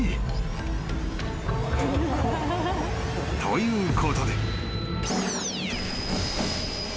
［ということで］